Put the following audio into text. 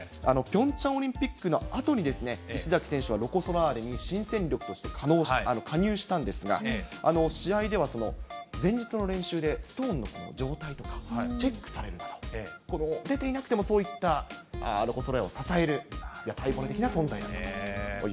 ピョンチャンオリンピックのあとに、石崎選手は、ロコ・ソラーレに新戦力として加入したんですが、試合では前日の練習でストーンの状態とかチェックされてたんで、出ていなくても、そういったロコ・ソラーレを支える、屋台骨的な存在。